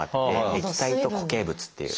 液体と固形物っていう。